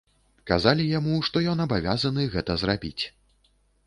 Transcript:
Казалі яму, што ён абавязаны гэта зрабіць.